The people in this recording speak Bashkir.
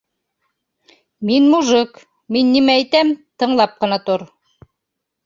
Мин мужик, мин нимә әйтәм, тыңлап ҡына тор!